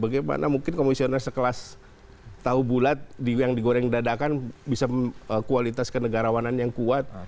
bagaimana mungkin komisioner sekelas tahu bulat yang digoreng dadakan bisa kualitas kenegarawanan yang kuat